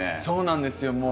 そうなんですよ。